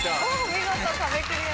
見事壁クリアです。